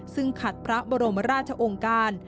ซึ่งขัดพระบรมราชองค์การ